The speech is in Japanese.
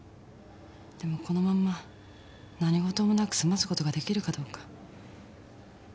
でもこのまんま何事もなく済ますことができるかどうか。